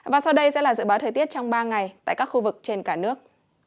và sau đây sẽ là dự báo thời tiết trong ba ngày tại các khu vực trên cả nước